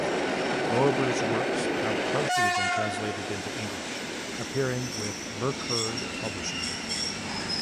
Lorber's works have partially been translated into English, appearing with "Merkur Publishing".